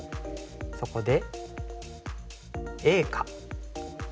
そこでＡか。